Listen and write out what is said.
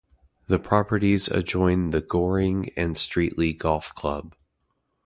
The properties adjoin the Goring and Streatley Golf Club.